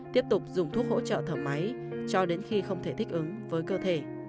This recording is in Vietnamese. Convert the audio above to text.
tiếp tục dùng thuốc hỗ trợ thở máy cho đến khi không thể thích ứng với cơ thể